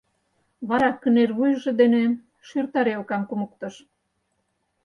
Вара кынервуйжо дене шӱр тарелкам кумыктыш.